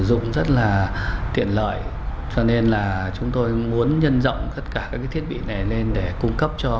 sử dụng rất là tiện lợi cho nên là chúng tôi muốn nhân rộng tất cả các thiết bị này lên để cung cấp cho